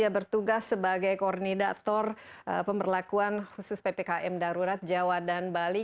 bertugas sebagai koordinator pemberlakuan khusus ppkm darurat jawa dan bali